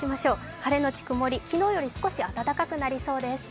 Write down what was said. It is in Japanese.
晴れのち曇り、昨日より少し暖かくなりそうです。